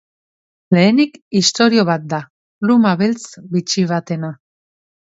Lehenik ixtorio bat da, luma beltz bitxi batena.